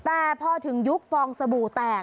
แต่พอถึงยุคฟองสบู่แตก